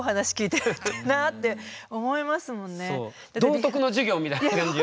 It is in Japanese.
道徳の授業みたいな感じよ。